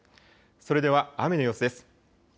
それでは雨の様子です。